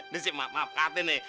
nih sih maaf maaf kak aten nih